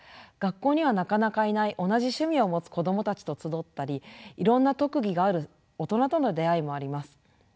学校にはなかなかいない同じ趣味を持つ子どもたちと集ったりいろんな特技がある大人との出会いもあります。